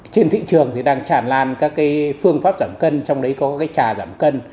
trên thị trường thì đang tràn lan các phương pháp giảm cân trong đấy có cái trà giảm cân